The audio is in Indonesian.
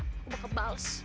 aku bakal kebals